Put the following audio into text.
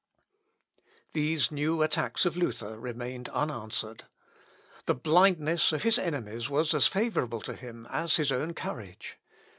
These new attacks of Luther remained unanswered. The blindness of his enemies was as favourable to him as his own courage.